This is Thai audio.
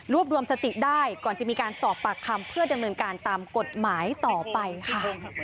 รวมรวมสติได้ก่อนจะมีการสอบปากคำเพื่อดำเนินการตามกฎหมายต่อไปค่ะ